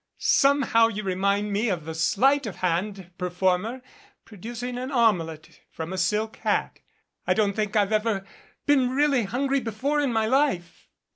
Somehow you remind me of the sleight of hand performer producing an omelette from a silk hat. I don't think I've ever been really hungry before in my life."